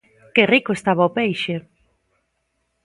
Que rico estaba o peixe!